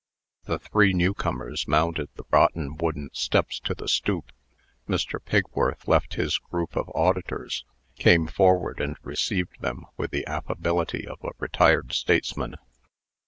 The three newcomers mounted the rotten wooden steps to the stoop. Mr. Pigworth left his group of auditors, came forward, and received them with the affability of a retired statesman.